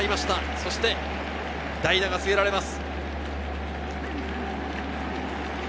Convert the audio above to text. そして、代打が告げられます。